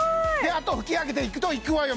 あとは拭き上げていくといくわよ